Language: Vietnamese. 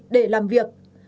để làm việc